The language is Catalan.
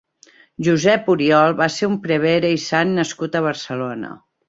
Josep Oriol va ser un prevere i sant nascut a Barcelona.